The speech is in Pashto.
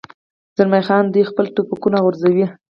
زلمی خان: دوی خپل ټوپکونه غورځوي.